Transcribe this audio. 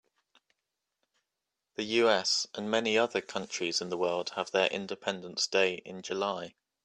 The USA and many other countries of the world have their independence day in July.